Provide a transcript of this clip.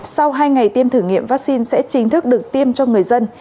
sau hai ngày tiêm thử nghiệm vaccine sẽ chính thức được tiêm cho người dân